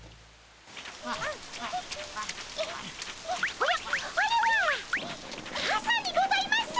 おやっあれはかさにございます！